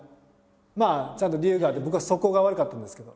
まあちゃんと理由があって僕は素行が悪かったんですけど。